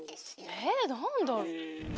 え何だろう？